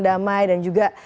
damai dan juga